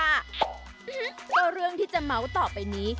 ก็เรื่องที่จะเมาส์ต่อไปนี้